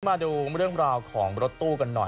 มาดูเรื่องราวของรถตู้กันหน่อย